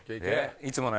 いつもの。